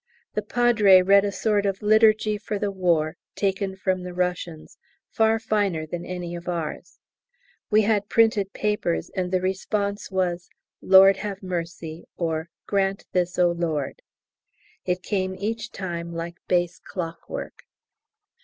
The Padre read a sort of liturgy for the war taken from the Russians, far finer than any of ours; we had printed papers, and the response was "Lord, have mercy," or "Grant this, O Lord." It came each time like bass clockwork.